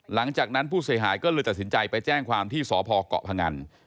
หลังจากนั้นผู้เสียหายก็เลยตัดสินใจไปแจ้งความที่สพเกาะพงัน